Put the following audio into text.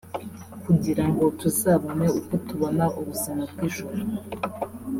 kugira ngo tuzabone uko tubona ubuzima bw’ijuru